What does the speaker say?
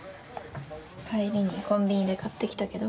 帰りにコンビニで買ってきたけど？